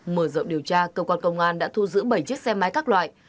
mở rộng điều tra cơ quan công an đã thu giữ bảy chiếc xe máy các loại